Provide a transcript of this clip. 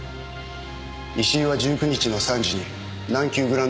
石井は１９日の３時に南急グランドホテルに来る。